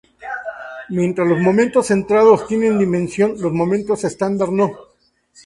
Mientras los momentos centrados tienen dimensión, los momentos estándar, no.